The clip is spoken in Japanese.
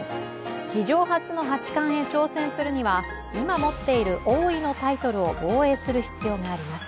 史上初の八冠に挑戦するには今、持っている王位のタイトルを防衛する必要があります。